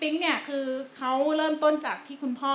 ปริ๊งเค้าเริ่มต้นจากที่คุณพ่อ